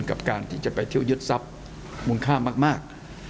กับการที่จะไปเที่ยวยึดทรัพย์มูลค่ามาก